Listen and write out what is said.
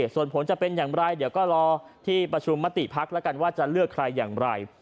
ส่วนผลจะเป็นอย่างไรเดี๋ยวก็รอที่ประชุมมติพักแล้วกันว่าจะเลือกใครอย่างไร